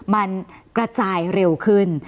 มันกระจายเร็วขึ้น